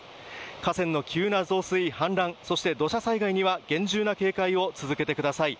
河川の急な増水、氾濫そして土砂災害には厳重な警戒を続けてください。